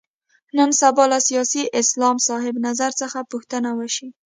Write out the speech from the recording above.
نن سبا له سیاسي اسلام صاحب نظر څخه پوښتنه وشي.